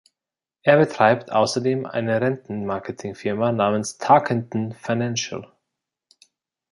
Er betreibt außerdem eine Rentenmarketingfirma namens Tarkenton Financial.